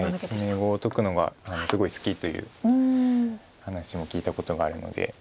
詰碁を解くのがすごい好きという話も聞いたことがあるので。